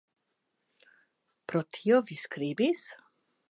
Pro tio vi skribis?